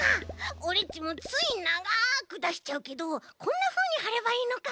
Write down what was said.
オレっちもついながくだしちゃうけどこんなふうにはればいいのか。